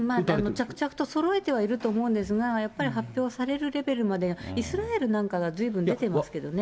着々とそろえてはいると思うんですが、やっぱり発表されるレベルまで、イスラエルなんかは出ていますけれどもね。